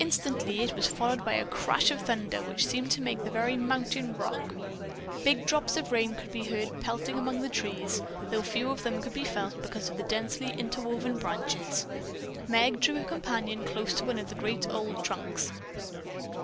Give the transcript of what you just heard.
Instantly it was followed by a crash of thunder which seemed to make the very mountain rock. Big drops of rain could be heard pelting among the trees, though few of them could be felt because of the densely interwoven branches. Meg drew her companion close to one of the great old trunks.